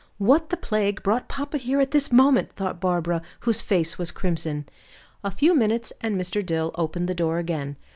"What the plague brought papa here at this moment?" thought Barbara, whose face was crimson. A few minutes and Mr. Dill opened the door again.